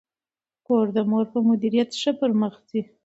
کور د مور په مدیریت ښه پرمخ ځي.